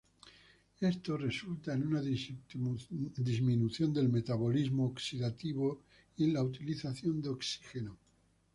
Esto resulta en una disminución del metabolismo oxidativo y en la utilización de oxígeno.